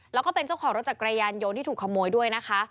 แล้วก็เป็นเจ้าของรถจักรยานยนต์ที่ถูกขโมยด้วยนะคะ